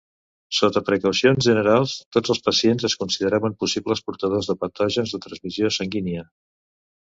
Sota precaucions generals, tots els pacients es consideraven possibles portadors de patògens de transmissió sanguínia.